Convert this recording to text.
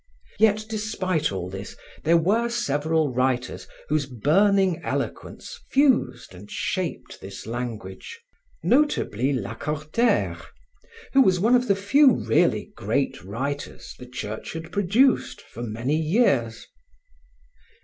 Yet, despite all this, there were several writers whose burning eloquence fused and shaped this language, notably Lacordaire, who was one of the few really great writers the Church had produced for many years.